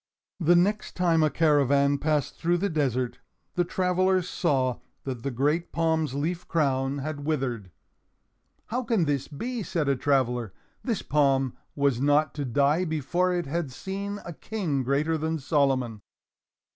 The next time a caravan passed through the desert, the travelers saw that the great palm's leaf crown had withered. "How can this be?" said a traveler. "This palm was not to die before it had seen a King greater than Solomon."